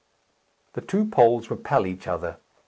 The two poles repel each other.